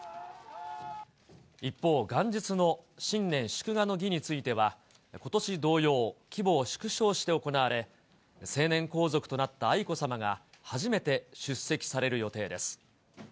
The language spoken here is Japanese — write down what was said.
一方、元日の新年祝賀の儀については、ことし同様、規模を縮小して行われ、成年皇族となった愛子さまが初めて出席される予定です。